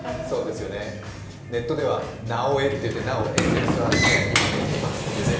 ネットでは「なおエ」というなおエンゼルスは試合に負けていますというね。